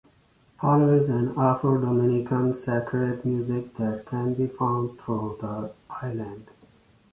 Palo is an Afro-Dominican sacred music that can be found through the island.